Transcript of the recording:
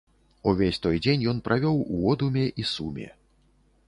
Увесь той дзень ён правёў у одуме і суме.